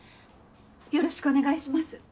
よろしくお願いします。